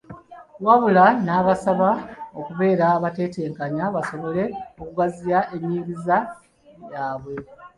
Wabula n'abasaba okubeera abatetenkanya, basobole okugaziya ennyigiza yaabwe.